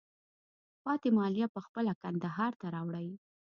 پاتې مالیه په خپله کندهار ته راوړئ.